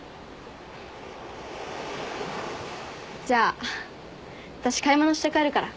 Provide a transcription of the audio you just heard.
じゃあ私買い物して帰るから。